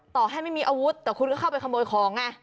ต่อให้ไม่มีอาวุธแต่คุณก็เข้าไปขโมยของไง